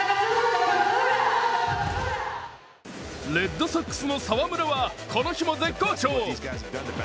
レッドソックスの澤村は、この日も絶好調。